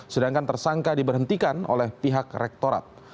sedangkan tersangka diberhentikan oleh pihak rektorat